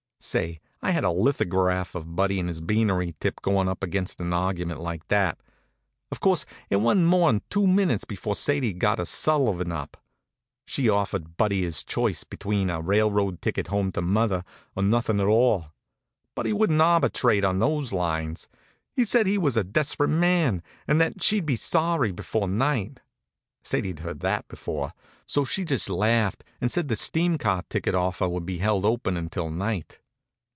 Say, I had a lithograph of Buddy and his beanery tip goin' up against an argument like that. Of course it wa'n't more'n two minutes before Sadie'd got her Sullivan up. She offered Buddy his choice between a railroad ticket home to mother, or nothing at all. Buddy wouldn't arbitrate on those lines. He said he was a desperate man, and that she'd be sorry before night. Sadie'd heard that before; so she just laughed and said the steam car ticket offer would be held open until night.